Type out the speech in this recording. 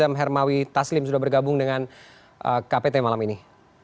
terima kasih hermawi taslim sudah bergabung dengan kpt malam ini